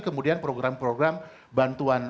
kemudian program program bantuan